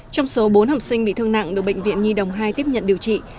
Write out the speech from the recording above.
trong số bốn học sinh bị thương nặng được bệnh viện nhi đồng hai tiếp nhận điều trị